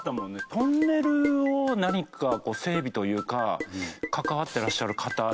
トンネルを何かこう整備というか関わってらっしゃる方なのかな？